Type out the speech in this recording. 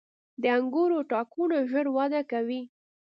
• د انګورو تاکونه ژر وده کوي.